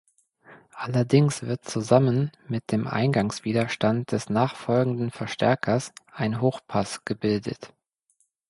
Allerdings wird zusammen mit dem Eingangswiderstand des nachfolgenden Verstärkers ein Hochpass gebildet.